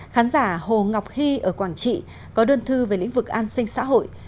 khán giả hồ ngọc hy ở quảng trị có đơn thư về lĩnh vực an sinh xã hội